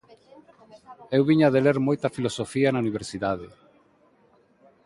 Eu viña de ler moita filosofía na Universidade.